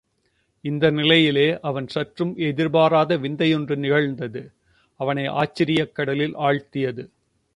இந்த நிலையிலே அவன் சற்றும் எதிர்பாராத விந்தை ஒன்று நிகழ்ந்து, அவனை ஆச்சரியக் கடலில் ஆழ்த்தியது.